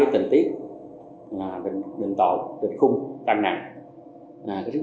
hoạt động ber nord của nclip trang